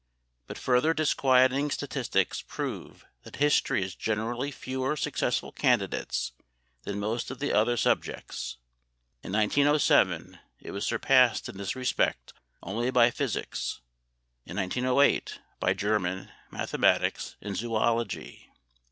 But further disquieting statistics prove that history has generally fewer successful candidates than most of the other subjects; in 1907 it was surpassed in this respect only by physics; in 1908, by German, mathematics and zoölogy.